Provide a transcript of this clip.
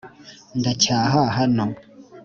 ndacyaha hano